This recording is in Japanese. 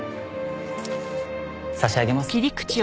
差し上げます。